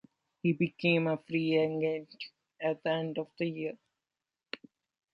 He became a free agent at the end of the year.